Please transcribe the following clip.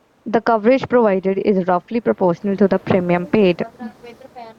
The coverage provided is roughly proportional to the premium paid.